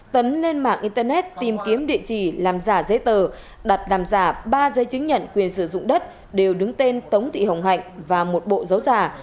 tấn lên mạng internet tìm kiếm địa chỉ làm giả giấy tờ đặt làm giả ba dây chứng nhận quyền sử dụng đất đều đứng tên tống thị hồng hạnh và một bộ dấu giả